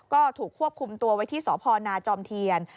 ก็ถูกควบคุมตัวไว้ที่สพนาจอมเทียน